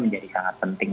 menjadi sangat penting